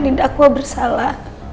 andien didakwa bersalah